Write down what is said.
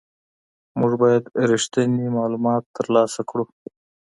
موږ باید ریښتیني معلومات ترلاسه کړو.